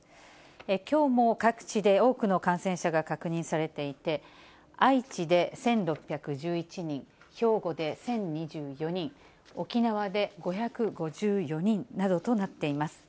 きょうも各地で多くの感染者が確認されていて、愛知で１６１１人、兵庫で１０２４人、沖縄で５５４人などとなっています。